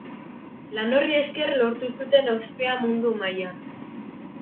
Lan horri esker lortu zuten ospea mundu mailan.